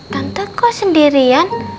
tante kok sendirian